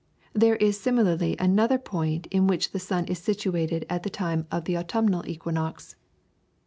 There is similarly another point in which the sun is situated at the time of the autumnal equinox.